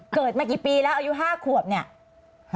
เกิดมากี่ปีแล้วอายุ๕ขวบเนี่ย